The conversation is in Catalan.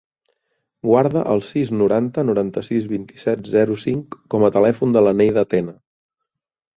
Guarda el sis, noranta, noranta-sis, vint-i-set, zero, cinc com a telèfon de la Neida Tena.